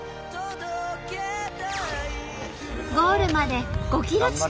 ゴールまで５ｋｍ地点。